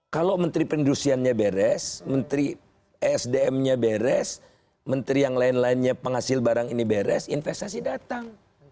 kalau menteri pendusiannya beres menteri esdm nya beres menteri yang lain lainnya penghasil barang ini beres investasi datang